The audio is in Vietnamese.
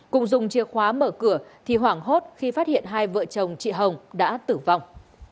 cùng dùng chìa khóa mở cửa thì hoảng hốt khi phát hiện hai vợ chồng chị hồng đã tử vong